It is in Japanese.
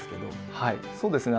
はいそうですね